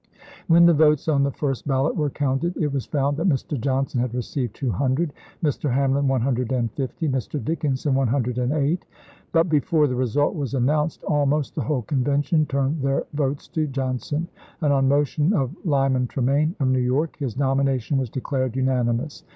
When the votes on the first ballot were counted it was found that Mr. Johnson had received 200, Mr. Hamlin 150, Mr. Dickinson 108 ; but before the result was announced almost the whole Convention turned their votes to Johnson, and on motion of Lyman Tremain of New York his nomination was declared unanimous.